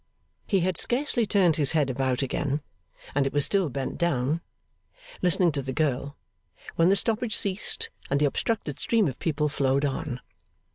He had scarcely turned his head about again, and it was still bent down, listening to the girl, when the stoppage ceased, and the obstructed stream of people flowed on.